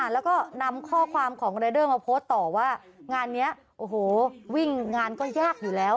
แล้วก็นำข้อความของรายเดอร์มาโพสต์ต่อว่างานนี้โอ้โหวิ่งงานก็ยากอยู่แล้ว